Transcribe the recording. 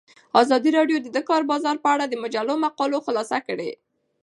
ازادي راډیو د د کار بازار په اړه د مجلو مقالو خلاصه کړې.